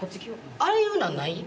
ああいうのはない？